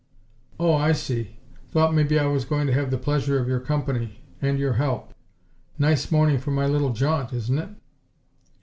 "Oh, I see. Thought maybe I was going to have the pleasure of your company and your help. Nice morning for my little jaunt, isn't it?"